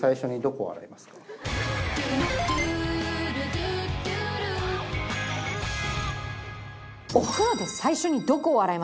だってそれを「お風呂で最初にどこを洗いますか？」。